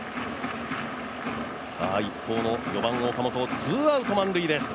一方の４番・岡本ツーアウト満塁です。